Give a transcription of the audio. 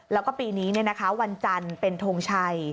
แล้วก็ปีนี้วันจันทร์เป็นทงชัย